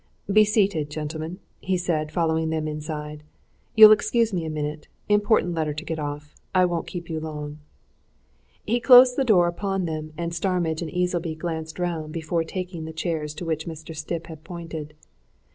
"Be seated, gentlemen," he said, following them inside. "You'll excuse me a minute important letter to get off I won't keep you long." He closed the door upon them and Starmidge and Easleby glanced round before taking the chairs to which Mr. Stipp had pointed.